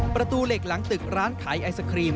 ประตูเหล็กหลังตึกร้านขายไอศครีม